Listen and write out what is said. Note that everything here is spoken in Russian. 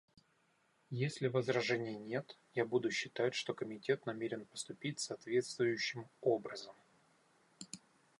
Если возражений нет, я буду считать, что Комитет намерен поступить соответствующим образом.